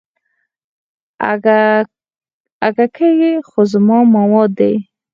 اگه کې خو زما مواد دي.